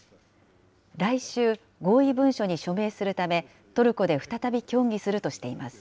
来週、合意文書に署名するため、トルコで再び協議するとしています。